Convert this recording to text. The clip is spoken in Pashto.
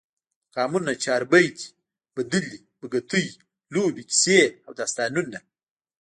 مقامونه، چاربیتې، بدلې، بګتی، لوبې، کیسې او داستانونه